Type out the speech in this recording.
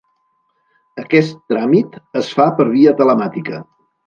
Aquest tràmit es fa per via telemàtica.